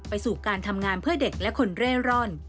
สู่การทำงานเพื่อเด็กและคนเร่ร่อน